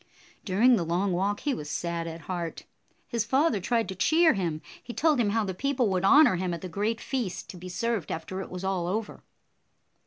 During the long walk, he was sad at heart. His 55 father tried to cheer him. He told him how the people would honor him at the great feast, to be served after it was all over.